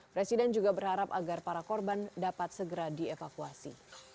presiden juga berharap agar para korban dapat segera dievakuasi